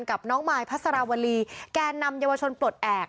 กับน้องมายพัสราวรีแก่นำเยาวชนปลดแอบ